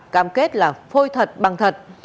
cam kết là phôi thật băng thật